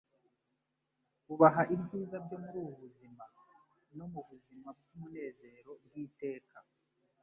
ubaha ibyiza byo muri ubu buzima, no mu buzima bw'umunezero bw'iteka .